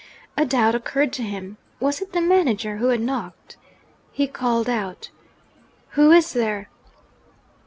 A doubt occurred to him. Was it the manager who had knocked? He called out, 'Who is there?'